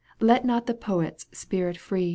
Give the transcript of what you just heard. Let not the poet's spirit freeze.